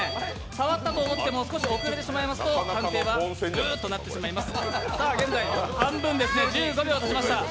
触ったと思っても少し遅れてしまえば判定はブーっとなってしまいます。